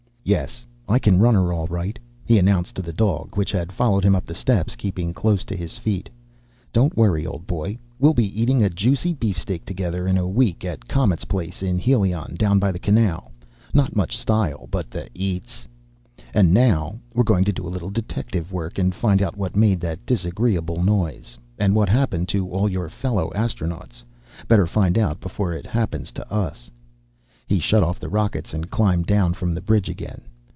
"Yes, I can run her, all right," he announced to the dog, which had followed him up the steps, keeping close to his feet. "Don't worry, old boy. We'll be eating a juicy beefsteak together, in a week. At Comet's place in Helion, down by the canal. Not much style but the eats! "And now we're going to do a little detective work, and find out what made that disagreeable noise. And what happened to all your fellow astronauts. Better find out, before it happens to us!" He shut off the rockets, and climbed down from the bridge again.